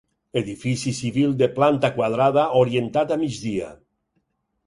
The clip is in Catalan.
Edifici civil de planta quadrada orientat a migdia.